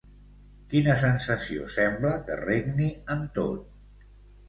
Quina sensació sembla que regni en tot?